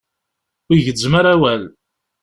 Ur yi-gezzem ara awal.